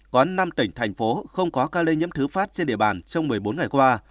có năm tỉnh thành phố không có ca lây nhiễm thứ phát trên địa bàn trong một mươi bốn ngày qua